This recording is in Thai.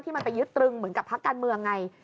มันไปยึดตรึงเหมือนกับพักการเมืองไง